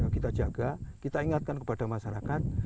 kita jaga kita ingatkan kepada masyarakat